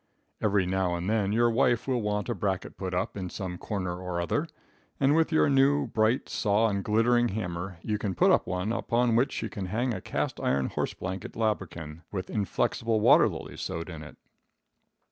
Every now and then your wife will want a bracket put up in some corner or other, and with your new, bright saw and glittering hammer you can put up one upon which she can hang a cast iron horse blanket lambrequin, with inflexible water lilies sewed in it.